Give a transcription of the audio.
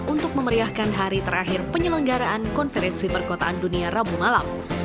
untuk memeriahkan hari terakhir penyelenggaraan konferensi perkotaan dunia rabu malam